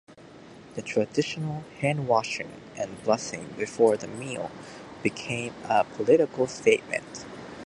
The traditional handwashing and blessing before the meal became a political statement.